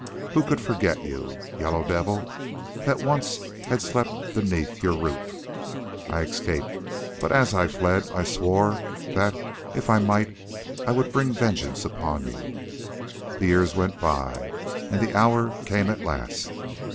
Who could forget you, Yellow Devil, that once had slept beneath your roof? I escaped, but as I fled I swore that, if I might, I would bring vengeance upon you. The years went by, and the hour came at last.